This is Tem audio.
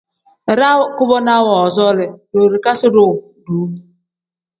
Iraa kubonaa woozooli doorikasi-ro duuu.